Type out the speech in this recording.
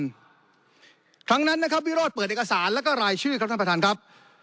ครั้งนั้นนะครับวิโรธเปิดเอกสารแล้วก็รายชื่อครับท่านประธานครับ